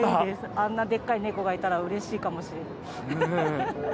あんなでっかい猫がいたらうれしいかもしれない。